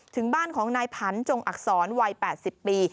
ถึงบ้านของนายผันจงอักษรวัย๘๐ปี